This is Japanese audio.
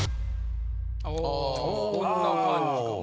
おこんな感じか。